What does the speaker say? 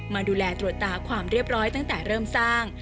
มาดูแลตรวจตาความเรียบร้อยตั้งแต่เริ่มสร้าง